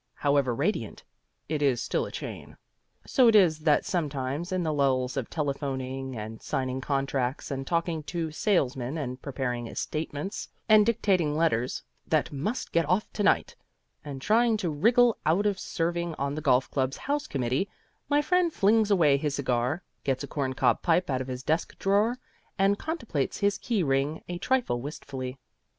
However radiant, it is still a chain. So it is that sometimes, in the lulls of telephoning and signing contracts and talking to salesmen and preparing estimates and dictating letters "that must get off to night" and trying to wriggle out of serving on the golf club's house committee, my friend flings away his cigar, gets a corncob pipe out of his desk drawer, and contemplates his key ring a trifle wistfully.